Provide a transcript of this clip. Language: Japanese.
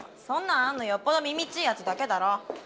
そんなんあるのよっぽどみみっちいやつだけだろ。